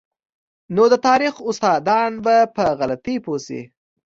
نو د تاریخ استادان به په غلطۍ پوه شي.